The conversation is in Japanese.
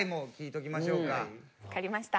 わかりました。